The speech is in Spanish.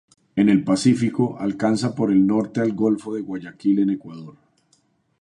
En el Pacífico, alcanza por el norte al golfo de Guayaquil en Ecuador.